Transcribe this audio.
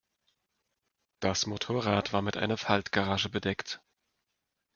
Das Motorrad war mit einer Faltgarage bedeckt.